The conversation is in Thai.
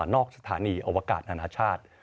สถานีอวกาศนานาชาติ